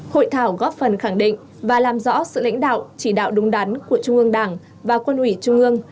hội thảo góp phần khẳng định và làm rõ sự lãnh đạo chỉ đạo đúng đắn của trung ương đảng và quân ủy trung ương